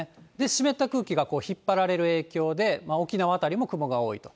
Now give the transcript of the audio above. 湿った空気が引っ張られる影響で、沖縄辺りも雲が多いと。